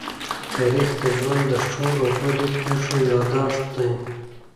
تاریخ د ژوند د ښو او بدو پېښو يادښت دی.